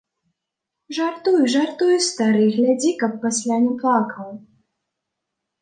Жартуй, жартуй, стары, глядзі, каб пасля не плакаў.